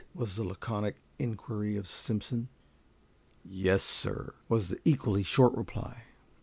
was the laconic inquiry of Simpson. "Yes, sir," was the equally short reply.